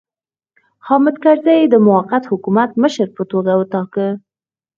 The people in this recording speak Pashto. حامد کرزی یې د موقت حکومت مشر په توګه وټاکه.